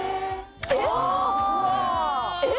えっ！